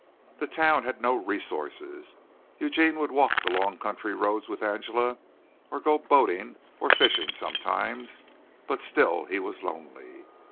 The town had no resources. Eugene would walk the long country roads with Angela or go boating or fishing sometimes, but still he was lonely.